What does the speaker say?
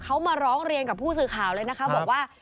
เขามาร้องเรียนกับผู้สื่อข่าวเลยนะคะบอกว่า